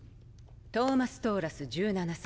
トーマス・トーラス１７歳。